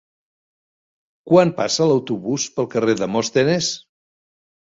Quan passa l'autobús pel carrer Demòstenes?